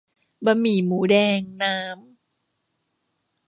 บะหมี่หมูแดง น้ำ